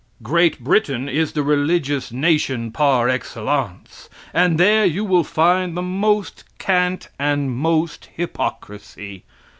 Great Britain is the religious nation par excellence, and there you will find the most cant and most hypocrisy.